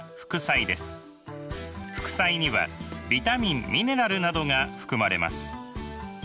副菜にはビタミンミネラルなどが含まれます。